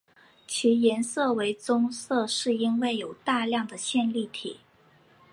其颜色为棕色是因为有大量的线粒体。